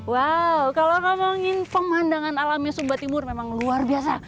wow kalau ngomongin pemandangan alamnya sumba timur memang luar biasa